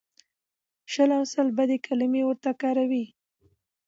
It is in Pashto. شل او سل بدې کلمې ورته کاروي.